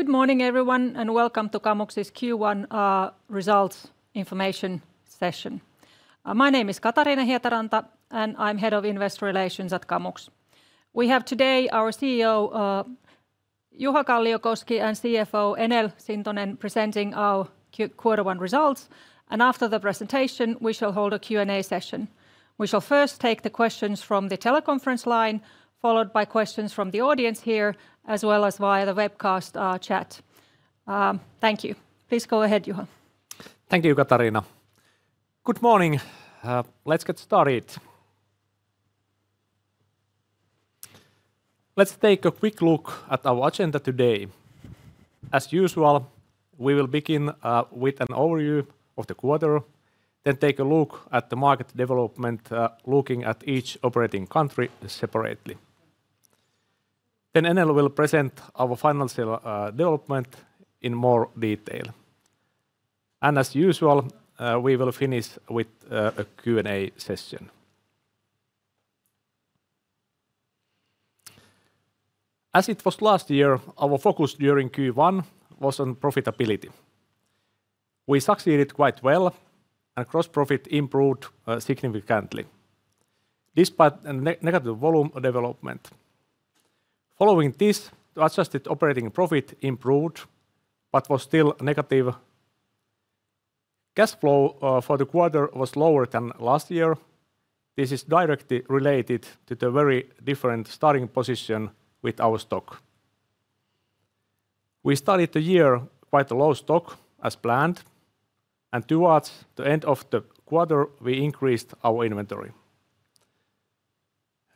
Good morning everyone, and welcome to Kamux's Q1 results information session. My name is Katariina Hietaranta, and I'm Head of Investor Relations at Kamux. We have today our CEO Juha Kalliokoski and CFO Enel Sintonen presenting our Q1 results, and after the presentation, we shall hold a Q&A session. We shall first take the questions from the teleconference line, followed by questions from the audience here, as well as via the webcast chat. Thank you. Please go ahead, Juha. Thank you, Katariina. Good morning. Let's get started. Let's take a quick look at our agenda today. As usual, we will begin with an overview of the quarter, then take a look at the market development, looking at each operating country separately. Then Enel will present our financial development in more detail. As usual, we will finish with a Q&A session. As it was last year, our focus during Q1 was on profitability. We succeeded quite well and gross profit improved significantly despite a negative volume development. Following this, the adjusted operating profit improved but was still negative. Cash flow for the quarter was lower than last year. This is directly related to the very different starting position with our stock. We started the year quite a low stock as planned. Towards the end of the quarter, we increased our inventory.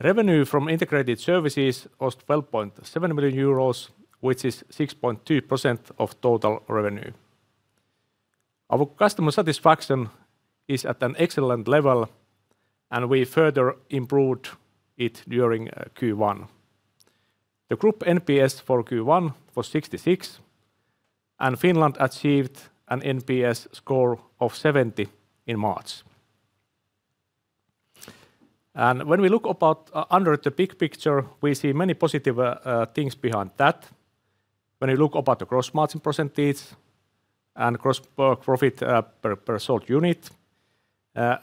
Revenue from integrated services was 12.7 million euros, which is 6.2% of total revenue. Our customer satisfaction is at an excellent level. We further improved it during Q1. The group NPS for Q1 was 66. Finland achieved an NPS score of 70 in March. When we look about under the big picture, we see many positive things behind that. When you look about the gross margin percentage and gross profit per sold unit,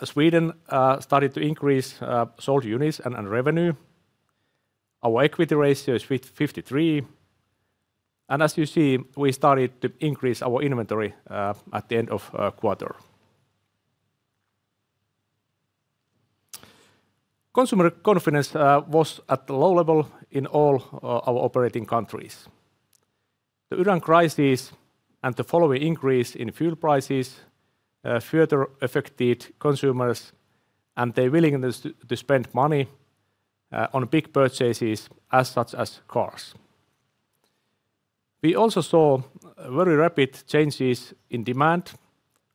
Sweden started to increase sold units and revenue. Our equity ratio is 53. As you see, we started to increase our inventory at the end of quarter. Consumer confidence was at a low level in all our operating countries. The Ukraine crisis and the following increase in fuel prices further affected consumers and their willingness to spend money on big purchases as such as cars. We also saw very rapid changes in demand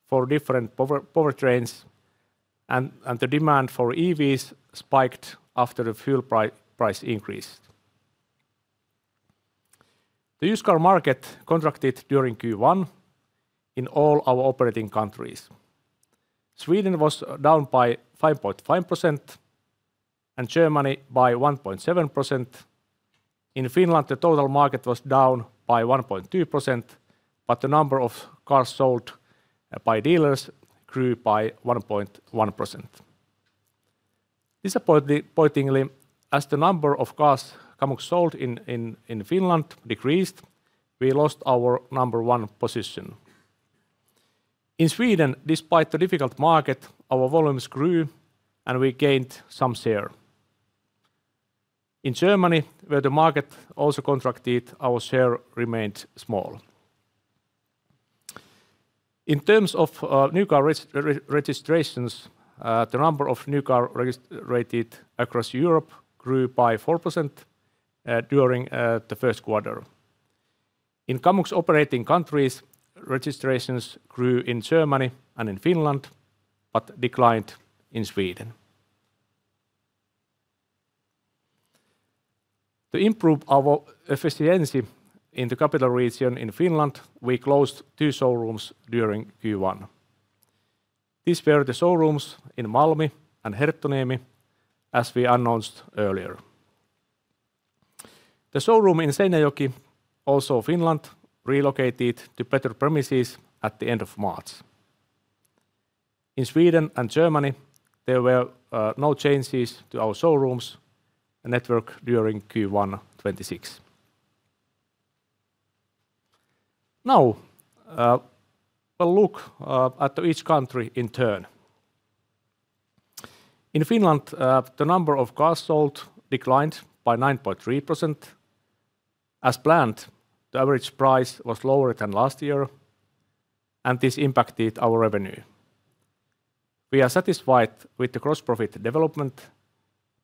for different powertrains and the demand for EVs spiked after the fuel price increase. The used car market contracted during Q1 in all our operating countries. Sweden was down by 5.5% and Germany by 1.7%. In Finland, the total market was down by 1.2%, but the number of cars sold by dealers grew by 1.1%. Disappointingly, as the number of cars Kamux sold in Finland decreased, we lost our number one position. In Sweden, despite the difficult market, our volumes grew, and we gained some share. In Germany, where the market also contracted, our share remained small. In terms of new car registrations, the number of new car registered across Europe grew by 4% during the Q1. In Kamux operating countries, registrations grew in Germany and in Finland, but declined in Sweden. To improve our efficiency in the capital region in Finland, we closed 2 showrooms during Q1. These were the showrooms in Malmi and Herttoniemi, as we announced earlier. The showroom in Seinäjoki, also Finland, relocated to better premises at the end of March. In Sweden and Germany, there were no changes to our showrooms network during Q1 2026. We'll look at each country in turn. In Finland, the number of cars sold declined by 9.3%. As planned, the average price was lower than last year, and this impacted our revenue. We are satisfied with the gross profit development,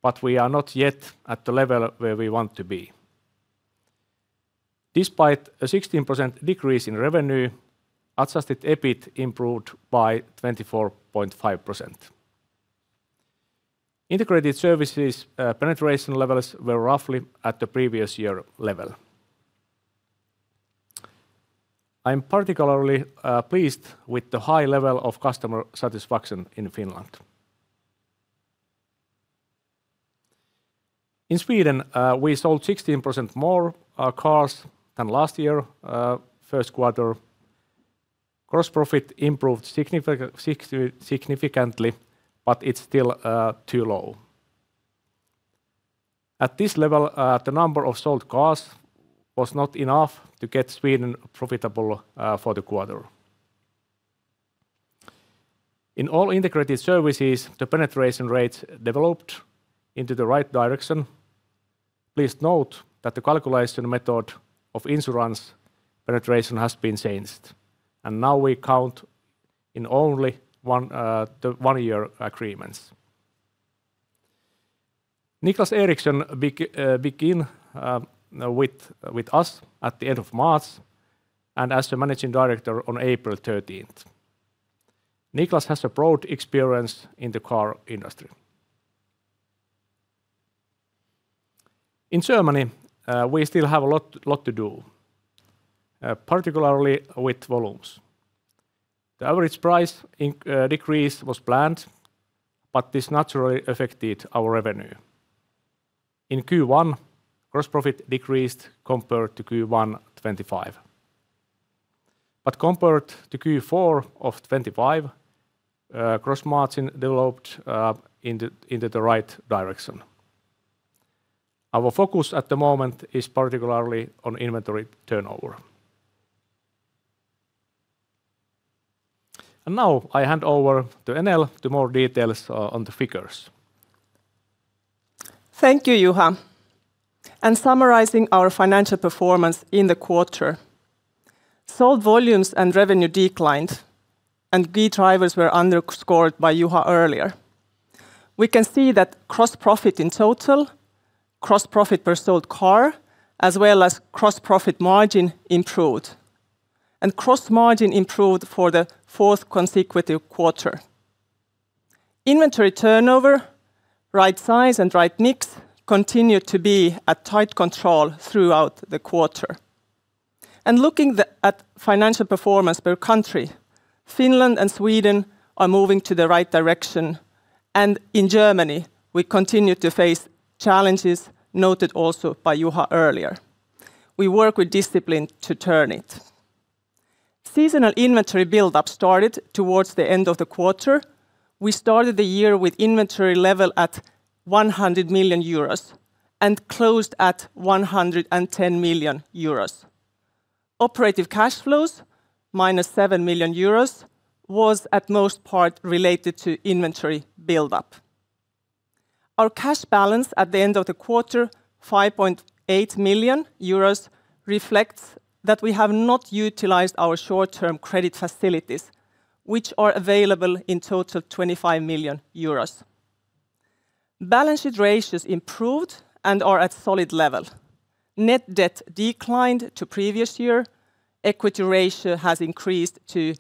but we are not yet at the level where we want to be. Despite a 16% decrease in revenue, adjusted EBIT improved by 24.5%. Integrated services, penetration levels were roughly at the previous year level. I am particularly pleased with the high level of customer satisfaction in Finland. In Sweden, we sold 16% more cars than last year, Q1. Gross profit improved significantly, but it's still too low. At this level, the number of sold cars was not enough to get Sweden profitable for the quarter. In all integrated services, the penetration rates developed into the right direction. Please note that the calculation method of insurance penetration has been changed. Now we count in only the one-year agreements. Niklas Eriksson begin with us at the end of March. As the Managing Director on April 13th. Niklas has a broad experience in the car industry. In Germany, we still have a lot to do, particularly with volumes. The average price in decrease was planned. This naturally affected our revenue. In Q1, gross profit decreased compared to Q1 2025. Compared to Q4 of 2025, gross margin developed into the right direction. Our focus at the moment is particularly on inventory turnover. Now I hand over to Enel to more details on the figures. Thank you, Juha. Summarizing our financial performance in the quarter, sold volumes and revenue declined, and key drivers were underscored by Juha earlier. We can see that gross profit in total, gross profit per sold car, as well as gross profit margin improved. Gross margin improved for the fourth consecutive quarter. Inventory turnover, right size, and right mix continued to be at tight control throughout the quarter. Looking at financial performance per country, Finland and Sweden are moving to the right direction, and in Germany, we continue to face challenges noted also by Juha earlier. We work with discipline to turn it. Seasonal inventory buildup started towards the end of the quarter. We started the year with inventory level at 100 million euros and closed at 110 million euros. Operative cash flows, -7 million euros, was at most part related to inventory buildup. Our cash balance at the end of the quarter, 5.8 million euros, reflects that we have not utilized our short-term credit facilities, which are available in total 25 million euros. Balance sheet ratios improved and are at solid level. Net debt declined to previous year. Equity ratio has increased to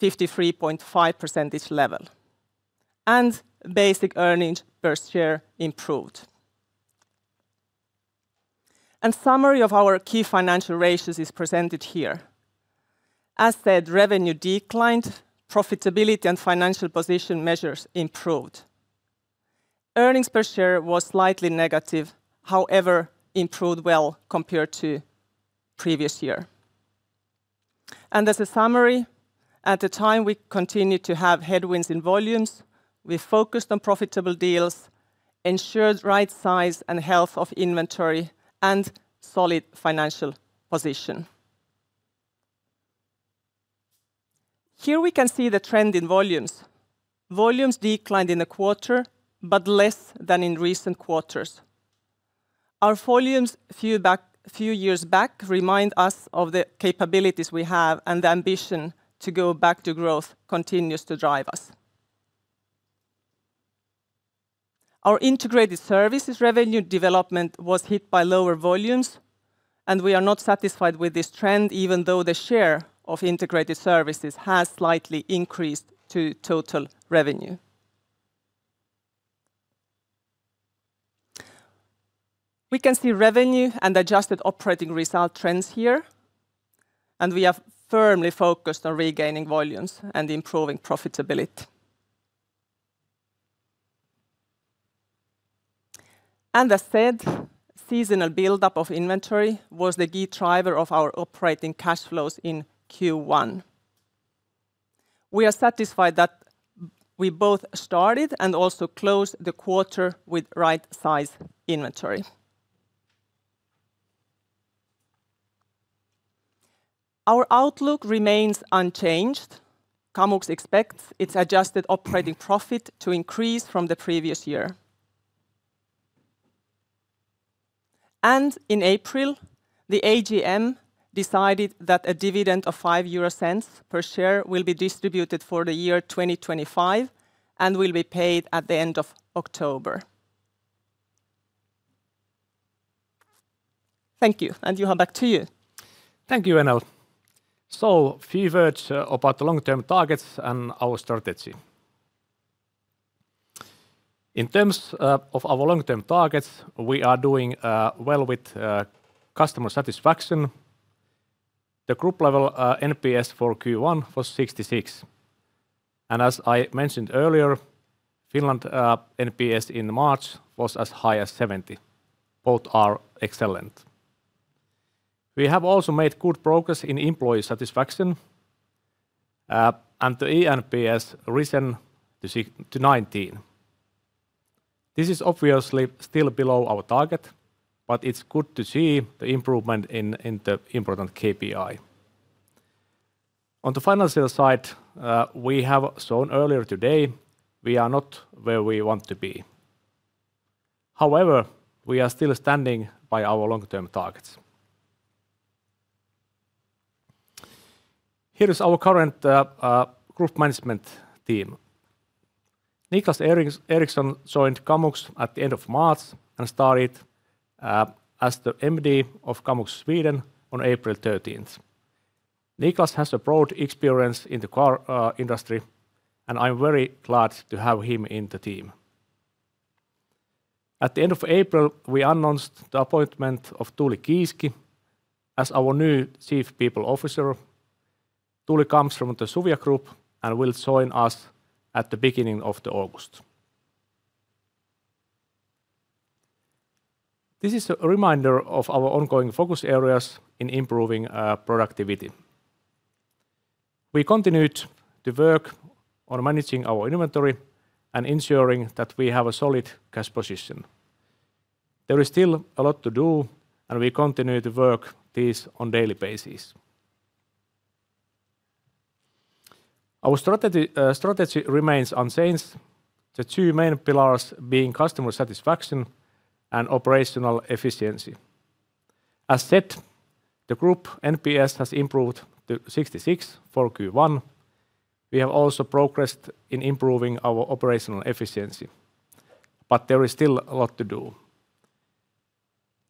53.5% level. Basic earnings per share improved. Summary of our key financial ratios is presented here. As said, revenue declined, profitability and financial position measures improved. Earnings per share was slightly negative, however, improved well compared to previous year. As a summary, at the time we continued to have headwinds in volumes, we focused on profitable deals, ensured right size and health of inventory, and solid financial position. Here we can see the trend in volumes. Volumes declined in the quarter, but less than in recent quarters. Our volumes few back, few years back remind us of the capabilities we have, and the ambition to go back to growth continues to drive us. Our integrated services revenue development was hit by lower volumes, and we are not satisfied with this trend, even though the share of integrated services has slightly increased to total revenue. We can see revenue and adjusted operating result trends here, and we are firmly focused on regaining volumes and improving profitability. As said, seasonal buildup of inventory was the key driver of our operating cash flows in Q1. We are satisfied that we both started and also closed the quarter with right size inventory. Our outlook remains unchanged. Kamux expects its adjusted operating profit to increase from the previous year. In April, the AGM decided that a dividend of 0.05 per share will be distributed for the year 2025 and will be paid at the end of October. Thank you. Juha, back to you. Thank you, Enel. Few words about the long-term targets and our strategy. In terms of our long-term targets, we are doing well with customer satisfaction. The group level NPS for Q1 was 66, and as I mentioned earlier, Finland NPS in March was as high as 70. Both are excellent. We have also made good progress in employee satisfaction, and the eNPS risen to 19. This is obviously still below our target, but it's good to see the improvement in the important KPI. On the financial side, we have shown earlier today we are not where we want to be. However, we are still standing by our long-term targets. Here is our current group management team. Niklas Eriksson joined Kamux at the end of March and started as the MD of Kamux Sweden on April 13th. Niklas has a broad experience in the car industry, and I'm very glad to have him in the team. At the end of April, we announced the appointment of Tuuli Kiiski as our new Chief People Officer. Tuuli comes from the Suvia Group and will join us at the beginning of the August. This is a reminder of our ongoing focus areas in improving productivity. We continued to work on managing our inventory and ensuring that we have a solid cash position. There is still a lot to do, and we continue to work this on daily basis. Our strategy remains unchanged, the two main pillars being customer satisfaction and operational efficiency. As said, the group NPS has improved to 66 for Q1. We have also progressed in improving our operational efficiency, but there is still a lot to do.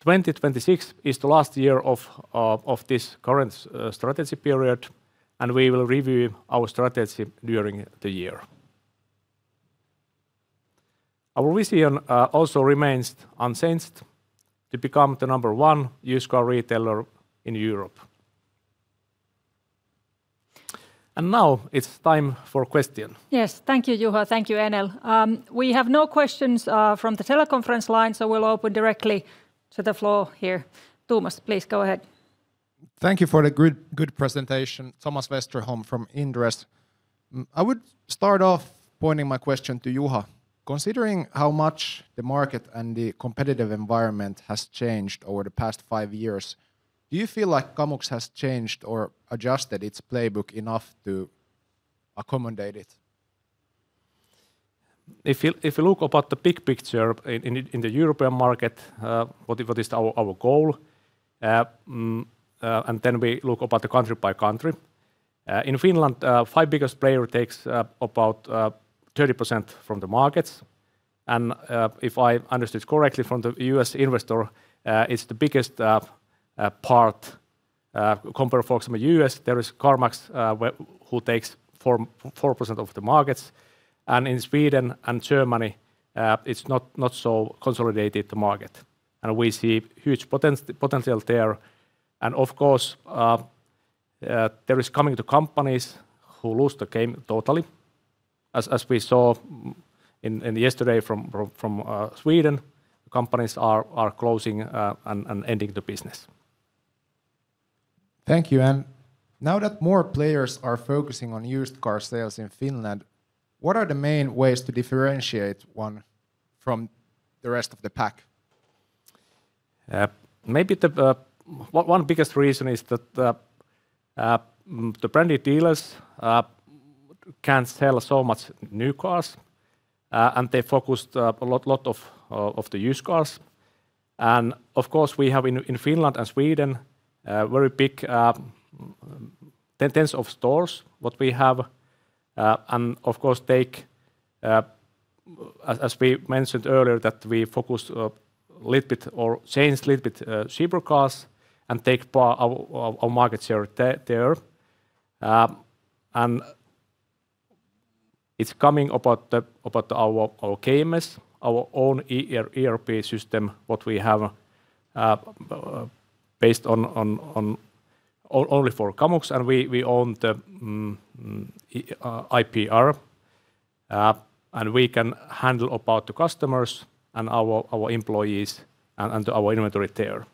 2026 is the last year of this current strategy period. We will review our strategy during the year. Our vision also remains unchanged: to become the number one used car retailer in Europe. Now it's time for question. Yes. Thank you, Juha. Thank you, Enel. We have no questions from the teleconference line. We'll open directly to the floor here. Thomas, please go ahead. Thank you for the good presentation. Thomas Westerholm from Inderes. I would start off pointing my question to Juha. Considering how much the market and the competitive environment has changed over the past five years, do you feel like Kamux has changed or adjusted its playbook enough to accommodate it? If you look about the big picture in the European market, what is our goal, and then we look about the country by country. In Finland, five biggest player takes about 30% from the markets. If I understood correctly from the U.S. investor, it's the biggest part compared, for example, U.S., there is CarMax, who takes 4% of the markets. In Sweden and Germany, it's not so consolidated the market, and we see huge potential there. Of course, there is coming to companies who lose the game totally. As we saw in yesterday from Sweden, companies are closing and ending the business. Thank you. Now that more players are focusing on used car sales in Finland, what are the main ways to differentiate one from the rest of the pack? Maybe the one biggest reason is that the branded dealers can sell so much new cars and they focused a lot of the used cars. Of course we have in Finland and Sweden very big tens of stores what we have. Of course take as we mentioned earlier that we focused a little bit or changed a little bit cheaper cars and take our market share there. It's coming about our KMS, our own ERP system, what we have, based only for Kamux, and we own the IPR. We can handle about the customers and our employees and our inventory there.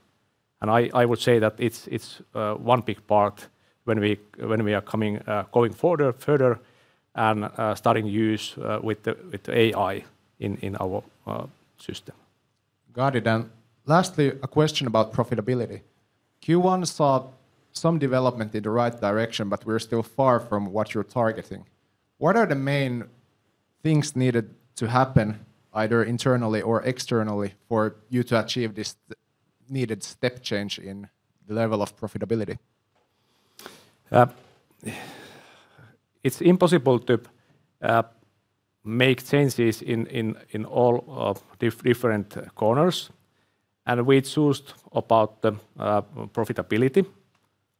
I would say that it's one big part when we are coming, going further and starting use with the AI in our system. Got it. Lastly, a question about profitability. Q1 saw some development in the right direction, but we're still far from what you're targeting. What are the main things needed to happen, either internally or externally, for you to achieve this needed step change in the level of profitability? It's impossible to make changes in all of different corners, and we choose about the profitability,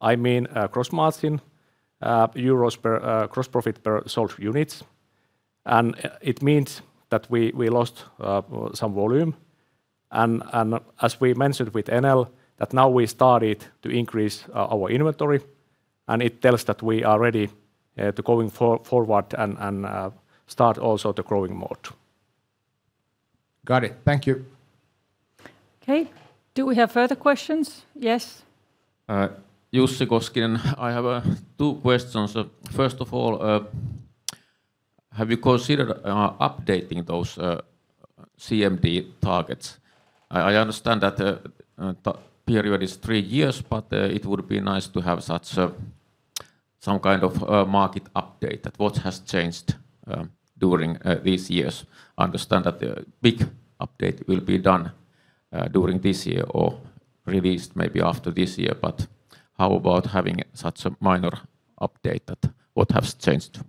I mean, gross margin, EUR per gross profit per sold units. It means that we lost some volume. As we mentioned with Enel, that now we started to increase our inventory, and it tells that we are ready to going forward and start also the growing mode. Got it. Thank you. Okay. Do we have further questions? Yes. Jussi Koskinen. I have two questions. First of all, have you considered updating those CMD targets? I understand that the period is three years, but it would be nice to have some kind of a market update that what has changed during these years. I understand that the big update will be done during this year or released maybe after this year, but how about having such a minor update that what has changed?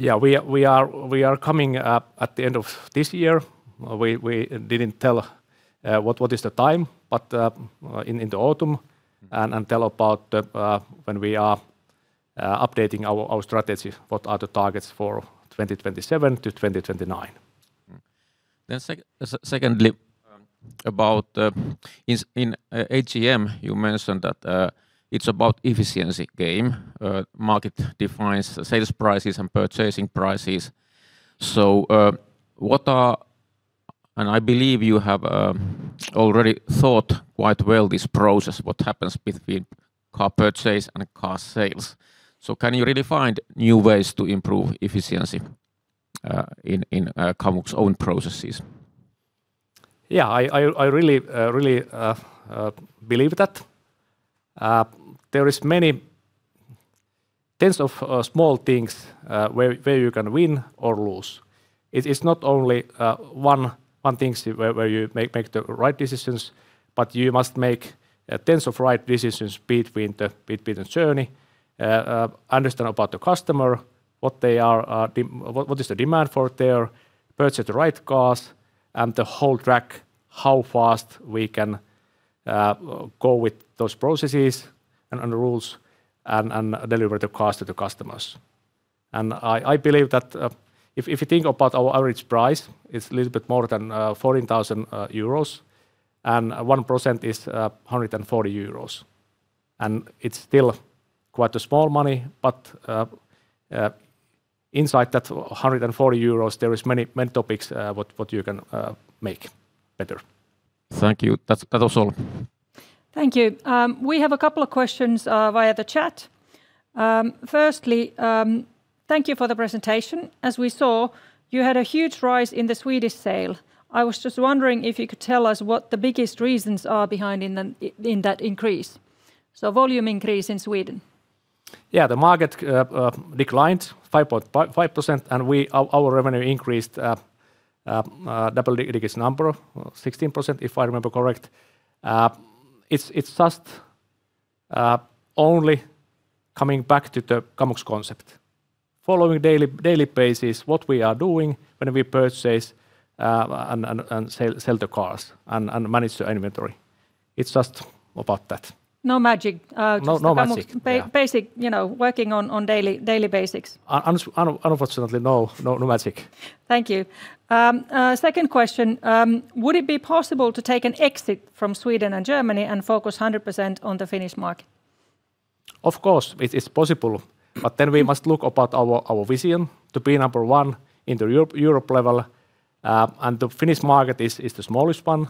We are coming at the end of this year. We didn't tell what is the time, but in the autumn. Tell about, when we are updating our strategy, what are the targets for 2027 to 2029. Secondly, about in AGM, you mentioned that it's about efficiency game. Market defines the sales prices and purchasing prices. What are I believe you have already thought quite well this process, what happens between car purchase and car sales. Can you really find new ways to improve efficiency in Kamux own processes? Yeah, I really believe that. There is many tens of small things where you can win or lose. It is not only one thing where you make the right decisions, but you must make tens of right decisions between the journey, understand about the customer, what is the demand for their purchase, the right cars, and the whole track, how fast we can go with those processes and rules and deliver the cars to the customers. I believe that if you think about our average price, it's a little bit more than 14,000 euros, and 1% is 140 euros. It's still quite a small money, but inside that 140 euros, there is many topics, what you can make better. Thank you. That was all. Thank you. We have a couple of questions via the chat. Firstly, thank you for the presentation. As we saw, you had a huge rise in the Swedish sale. I was just wondering if you could tell us what the biggest reasons are behind in that increase. Volume increase in Sweden. Yeah, the market declined 5.5%. Our revenue increased double digits number, 16%, if I remember correct. It's just only coming back to the Kamux concept. Following daily basis what we are doing when we purchase and sell the cars and manage the inventory. It's just about that. No magic. No, no magic. Yeah. just basic, you know, working on daily basics. Unfortunately, no. No, no magic. Thank you. Second question. Would it be possible to take an exit from Sweden and Germany and focus 100% on the Finnish market? Of course, it is possible. We must look about our vision to be number one in the Europe level. The Finnish market is the smallest one.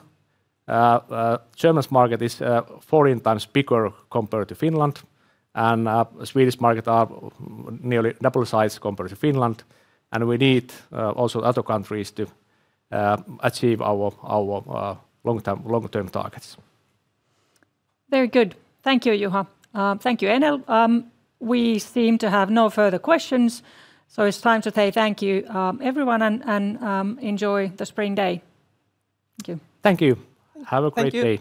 German's market is 14x bigger compared to Finland, and Swedish market are nearly double size compared to Finland. We need also other countries to achieve our long-term targets. Very good. Thank you, Juha. Thank you, Enel. We seem to have no further questions, so it's time to say thank you, everyone, and enjoy the spring day. Thank you. Thank you. Have a great day.